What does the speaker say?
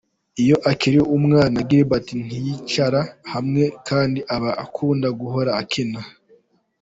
Iyo akiri umwana, Gilbert ntiyicara hamwe kandi aba akunda guhora akina.